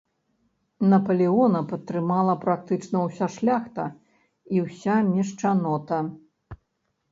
Напалеона падтрымала практычна ўся шляхта і ўся мешчанота.